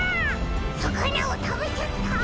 さかなをたべちゃった！